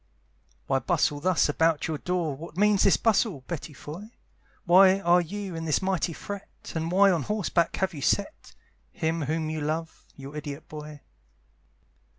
Why bustle thus about your door, What means this bustle, Betty Foy? Why are you in this mighty fret? And why on horseback have you set Him whom you love, your idiot boy?